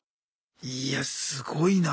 いやすごいな。